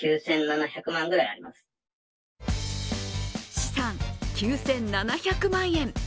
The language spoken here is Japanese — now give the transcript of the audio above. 資産９７００万円。